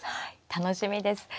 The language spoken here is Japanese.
楽しみです。